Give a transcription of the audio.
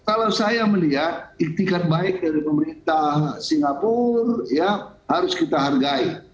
kalau saya melihat iktikan baik dari pemerintah singapura harus kita hargai